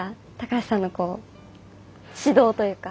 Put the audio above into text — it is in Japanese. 橋さんの指導というか。